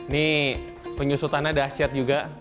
nih penyusutannya dahsyat juga